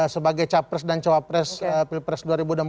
sebagai capres dan cowok pres pilpres dua ribu empat